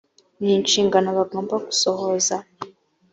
n inshingano bagomba gusohoza